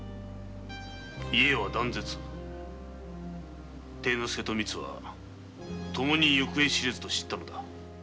家は断絶貞之介とみつは共に行方知れずと知ったのだ。